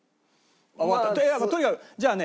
まあとにかくじゃあね